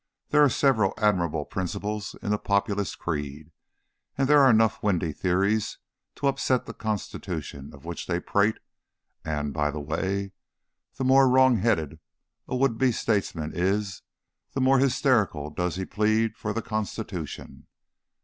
There are several admirable principles in the Populist creed; there are enough windy theories to upset the Constitution of which they prate; and, by the way, the more wrong headed a would be statesman is the more hysterically does he plead for the Constitution.